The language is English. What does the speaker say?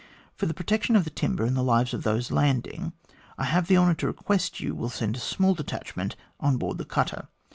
For the protection of the timber and the lives of those landing, I have the honour to request you will send a small detachment on board the cutter.